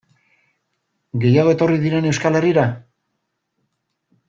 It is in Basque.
Gehiago etorri diren Euskal Herrira?